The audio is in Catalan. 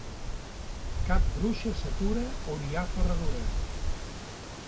Cap bruixa s'atura on hi ha ferradura.